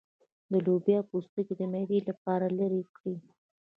د لوبیا پوستکی د معدې لپاره لرې کړئ